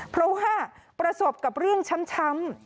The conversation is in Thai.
เพราะว่าประสบกับเรื่องช้ำ